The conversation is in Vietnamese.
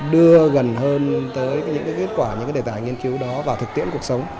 đưa gần hơn tới những kết quả những cái đề tài nghiên cứu đó vào thực tiễn cuộc sống